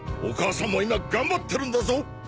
お母さんも今頑張っているんだぞ。